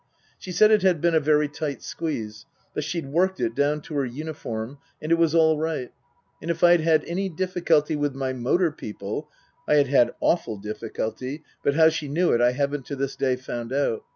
She said it had been a very tight squeeze, but she'd worked it, down to her uniform, and it was all right, and if I'd had any difficulty with my motor people (I had had awful difficulty, but how she knew it I haven't to this day found out.